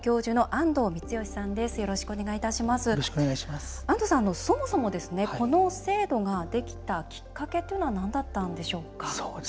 安藤さん、そもそも、この制度ができたきっかけというのはなんだったんでしょうか。